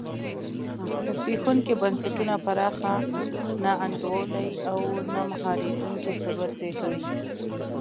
زبېښونکي بنسټونه پراخه نا انډولي او نه مهارېدونکی ثروت زېږوي.